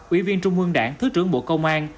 ủy viên trung ương đảng thứ trưởng bộ công an